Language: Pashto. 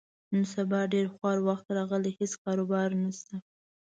نن سبا ډېر خوار وخت راغلی، هېڅ کاروبار نشته.